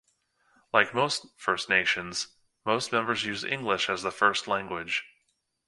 Like most First Nations, most members use English as the first language.